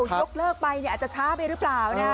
ยกเลิกไปอาจจะช้าไปหรือเปล่า